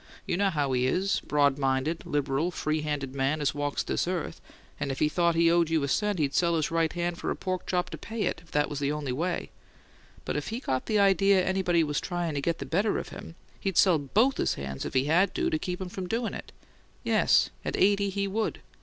You know how he is: broad minded, liberal, free handed man as walks this earth, and if he thought he owed you a cent he'd sell his right hand for a pork chop to pay it, if that was the only way; but if he got the idea anybody was tryin' to get the better of him, he'd sell BOTH his hands, if he had to, to keep 'em from doin' it. Yes, at eighty, he would!